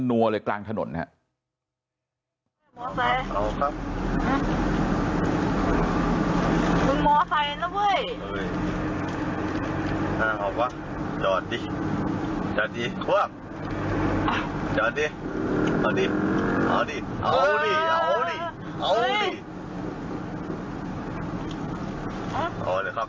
นัวเลยกลางถนนนะครับ